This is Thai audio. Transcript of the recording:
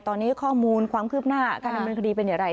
ตอนนี้ข้อมูลความคืบหน้าการดำเนินคดีเป็นอย่างไร